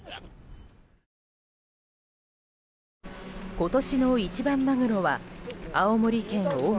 今年の一番マグロは青森県大間